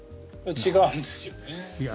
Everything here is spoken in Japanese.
違うんですよね。